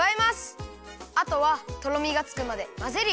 あとはとろみがつくまでまぜるよ。